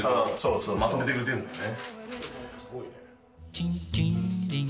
まとめてくれてんのね。